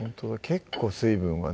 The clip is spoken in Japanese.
結構水分がね